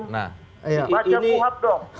baca buhab dong